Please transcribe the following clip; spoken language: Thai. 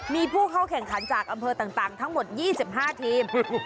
มีผู้เข้าแข่งขันจากอำเภอต่างทั้งหมด๒๕ทีม